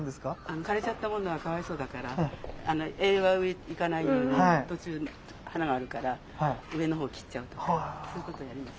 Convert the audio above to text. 枯れちゃったものはかわいそうだから栄養が上行かないように途中に花があるから上の方切っちゃうとかそういうことやります。